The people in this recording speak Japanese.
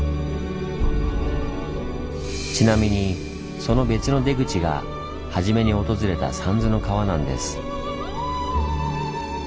ちなみにその別の出口がはじめに訪れた三途の川なんです。